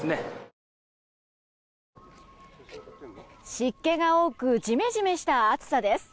湿気が多くジメジメした暑さです。